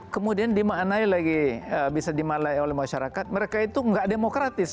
kemudian dimaknai lagi bisa dimaknai oleh masyarakat mereka itu nggak demokratis